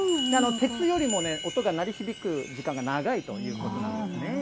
鉄よりも音が鳴り響く時間が長いということなんですね。